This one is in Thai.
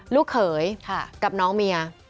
ลูกเขยกับน้องเมีย